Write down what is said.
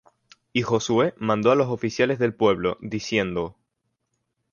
Y Josué mandó á los oficiales del pueblo, diciendo: